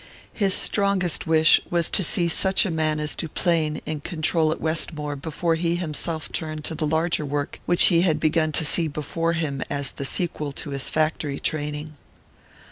His strongest wish was to see such a man as Duplain in control at Westmore before he himself turned to the larger work which he had begun to see before him as the sequel to his factory training.